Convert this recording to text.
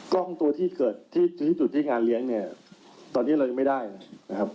กล้องตัวที่เกิดที่จุดที่งานเลี้ยงเนี่ยตอนนี้เรายังไม่ได้นะครับ